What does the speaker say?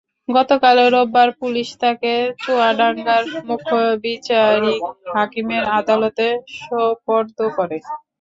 গতকাল রোববার পুলিশ তাঁকে চুয়াডাঙ্গার মুখ্য বিচারিক হাকিমের আদালতে সোপর্দ করে।